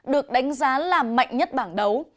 được đánh giá là mạnh nhất bảng đấu